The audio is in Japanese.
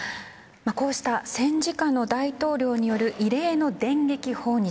こうした戦時下の大統領による異例の電撃訪日。